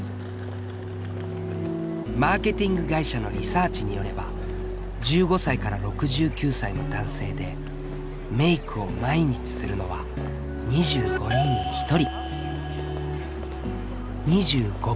マーケティング会社のリサーチによれば１５歳６９歳の男性でメイクを毎日するのは２５人に１人。